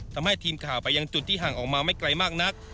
ทำให้ทีมข่าวไปยังจุดที่ห่างออกมาไม่ไกลมากนัก